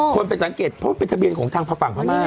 คนไปสังเกตเพราะเป็นทะเบียนของทางฝั่งพม่า